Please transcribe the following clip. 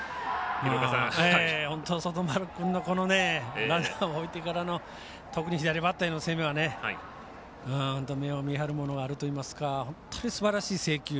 外丸君のランナーを置いてからの特に左バッターへの攻めは目をみはるものがあるというか本当にすばらしい制球。